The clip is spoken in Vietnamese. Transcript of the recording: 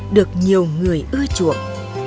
được nhiều người ưa chuộng